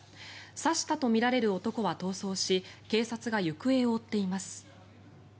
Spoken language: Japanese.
刺したとみられる男は逃走し警察が行方を追っています。